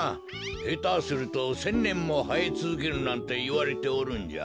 へたすると１，０００ねんもはえつづけるなんていわれておるんじゃ。